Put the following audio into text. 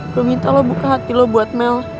lo minta lo buka hati lo buat mel